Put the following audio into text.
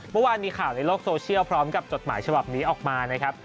เมื่อวานมีข่าวในโลกโซเชียลพร้อมกับจดหมายฉบับนี้ออกมานะครับ